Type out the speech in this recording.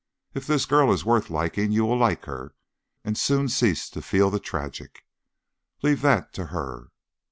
If this girl is worth liking, you will like her, and soon cease to feel tragic. Leave that to her!"